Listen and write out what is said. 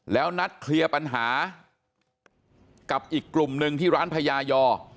แล้วนัดเคลียร์ปัญหากับอีกกลุ่มหนึ่งที่ร้านพญายอ